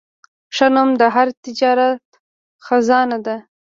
ښه نوم د هر تجارت خزانه ده.